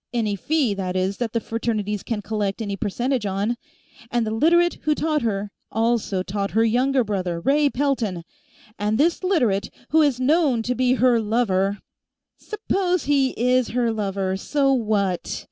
Any fee, that is, that the Fraternities can collect any percentage on. And the Literate who taught her also taught her younger brother, Ray Pelton, and this Literate, who is known to be her lover " "Suppose he is her lover, so what?"